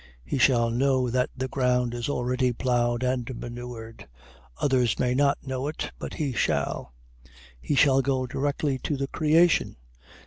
He shall know that the ground is already plow'd and manured; others may not know it, but he shall. He shall go directly to the creation.